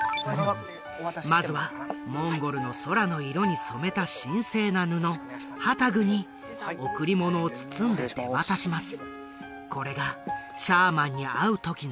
まずはモンゴルの空の色に染めた神聖な布ハタグに贈り物を包んで手渡します